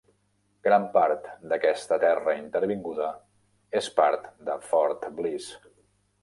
Gran part d'aquesta terra intervinguda és part de Fort Bliss.